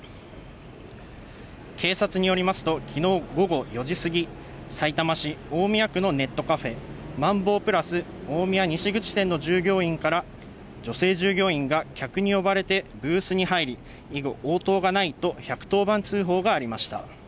警察によりますと、昨日午後４時過ぎ、さいたま市大宮区のネットカフェマンボープラス大宮西口店の従業員から女性従業員が客に呼ばれてブースに入り、以後、応答がないと１１０番通報がありました。